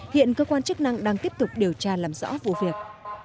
hiện cơ quan chức năng đang tiếp tục điều tra làm rõ vụ việc